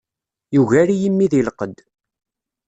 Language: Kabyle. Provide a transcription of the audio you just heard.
Yugar-iyi mmi di lqedd.